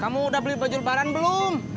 kamu udah beli baju lebaran belum